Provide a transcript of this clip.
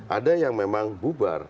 ada yang memang bubar